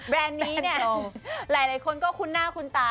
นี้เนี่ยหลายคนก็คุ้นหน้าคุ้นตา